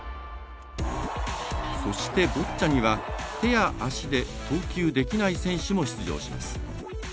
そして、ボッチャには手や足で投球できない選手も出場します。